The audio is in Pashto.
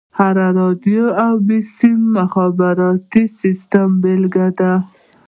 هره راډيو او بيسيم مخابراتي سيسټم يې بېلګه ده.